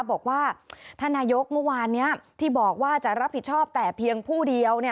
บอกว่าท่านนายกเมื่อวานนี้ที่บอกว่าจะรับผิดชอบแต่เพียงผู้เดียว